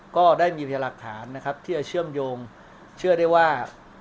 ก็ได้มีพยายามหลักฐานนะครับที่จะเชื่อมโยงเชื่อได้ว่า